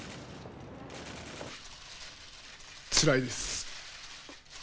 つらいです。